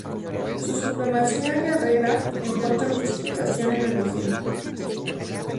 Su supremacía guerrera encuentra justificación en la leyenda.